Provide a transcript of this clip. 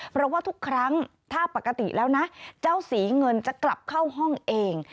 เพราะว่าทุกครั้งถ้าปกติแล้วนะเจ้าสีเงินจะกลับเข้าห้องเอง